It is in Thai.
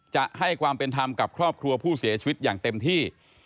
จะให้ความเป็นธรรมกับครอบครัวผู้เสียชีวิตอย่างเต็มที่